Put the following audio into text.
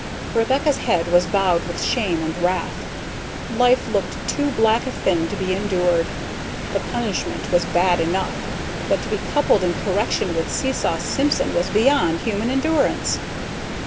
Rebecca's head was bowed with shame and wrath. Life looked too black a thing to be endured. The punishment was bad enough, but to be coupled in correction with Seesaw Simpson was beyond human endurance.